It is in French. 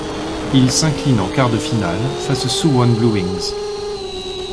Il s'incline en quart de finale face aux Suwon Bluewings.